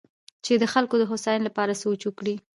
چې د خلکو د هوساینې لپاره سوچ وکړي.